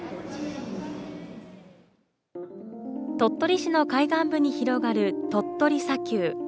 鳥取市の海岸部に広がる鳥取砂丘。